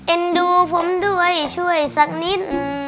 ดูผมด้วยช่วยสักนิด